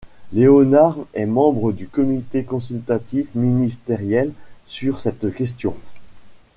Leonard est membre du comité consultatif ministériel sur cette question.